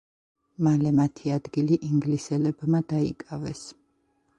მალე მათი ადგილი ინგლისელებმა დაიკავეს.